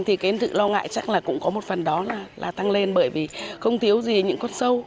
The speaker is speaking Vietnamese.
thì cái sự lo ngại chắc là cũng có một phần đó là tăng lên bởi vì không thiếu gì những con sâu